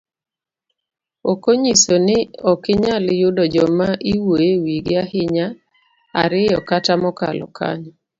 Okonyiso ni okinyal yudo joma iwuoyo ewigi ahinya ariyo kata mokalo kanyo.